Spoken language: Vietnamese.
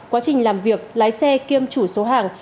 quá trình làm việc lái xe kiêm chủ số hàng